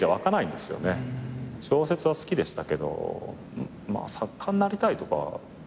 小説は好きでしたけど作家になりたいとかは。